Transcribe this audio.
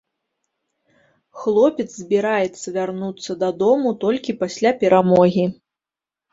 Хлопец збіраецца вярнуцца дадому толькі пасля перамогі.